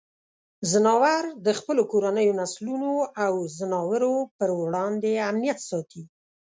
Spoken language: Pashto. ځناور د خپلو کورنیو نسلونو او ځناورو پر وړاندې امنیت ساتي.